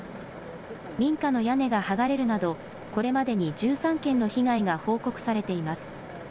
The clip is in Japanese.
民家の屋根が剥がれるなど、これまでに１３件の被害が報告されています。